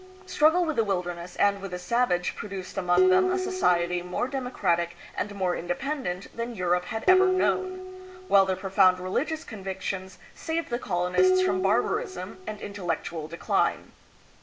Struggle with the wilderness and with the savage pro duced among them a society more democratic and more independent than Europe had ever known; while their profound religious convictions saved the colonists from barbarism and intellectual decline.